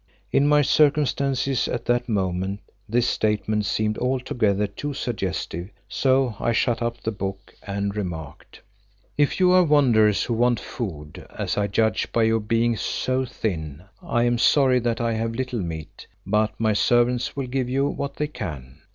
In my circumstances at that moment this statement seemed altogether too suggestive, so I shut up the book and remarked, "If you are wanderers who want food, as I judge by your being so thin, I am sorry that I have little meat, but my servants will give you what they can."